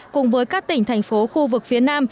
cùng với các tỉnh thành phố khu vực phía nam